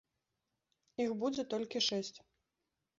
Іх будзе толькі шэсць.